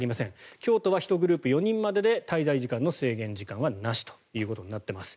京都は１グループ４人までで滞在時間の制限時間はなしとなっています。